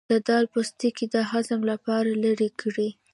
د دال پوستکی د هضم لپاره لرې کړئ